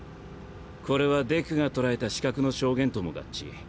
これはデクが捕えた刺客の証言とも合致。